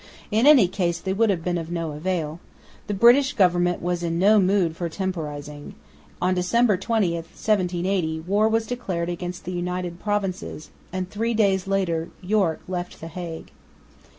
In any case they would have been of no avail. The British government was in no mood for temporising. On December 20, 1780 war was declared against the United Provinces; and three days later Yorke left the Hague.